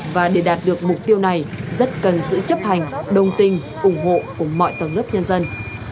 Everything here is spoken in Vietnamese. và để đạt được mục tiêu này rất cần sự chấp hành đồng tình ủng hộ của mọi tầng lớp nhân dân